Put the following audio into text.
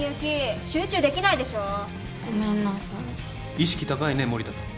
意識高いね守田さん。